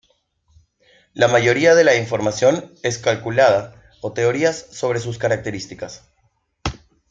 La mayoría de la información es calculada o teorías sobre sus características.